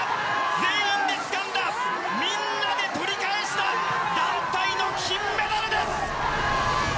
全員でつかんだみんなで取り返した団体の金メダルです！